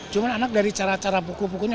cuma anak dari cara cara pukul pukulnya